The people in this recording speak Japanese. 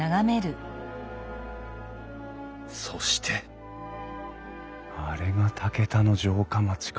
そしてあれが竹田の城下町か。